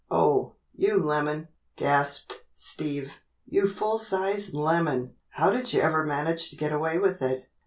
"Oh, you lemon," gasped Steve. "You full sized lemon! How did you ever manage to get away with it?"